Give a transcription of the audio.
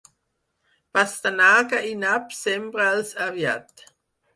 Pastanaga i nap sembra'ls aviat.